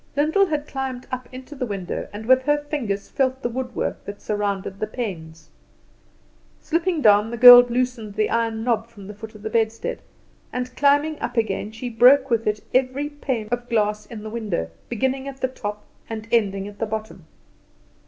Lyndall had climbed up into the window, and with her fingers felt the woodwork that surrounded the panes. Slipping down, the girl loosened the iron knob from the foot of the bedstead, and climbing up again she broke with it every pane of glass in the window, beginning at the top and ending at the bottom.